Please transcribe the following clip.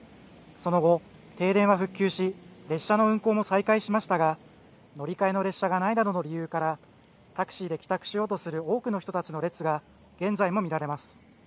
その後、停電は復旧し列車の運行も再開しましたが乗り換えの列車がないなどの理由からタクシーで帰宅しようとする多くの人たちの列が現在も見られます。